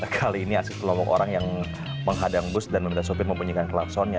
kali ini asli kelompok orang yang menghadang bus dan meminta sopir mempunyai klapsonnya